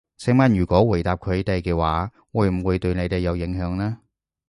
請問如果回答佢哋嘅話，會唔會對你哋有影響呢？